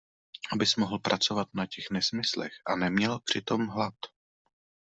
Abys mohl pracovat na těch nesmyslech a neměl přitom hlad!